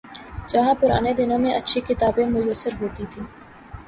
جہاں پرانے دنوں میں اچھی کتابیں میسر ہوتی تھیں۔